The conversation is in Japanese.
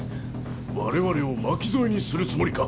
我々を巻き添えにするつもりか。